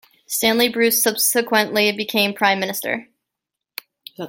Stanley Bruce subsequently became Prime Minister.